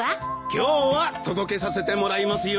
今日は届けさせてもらいますよ。